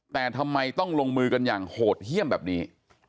แต่ทำไมต้องลงมือกันอย่างโหดเยี่ยมแบบนี้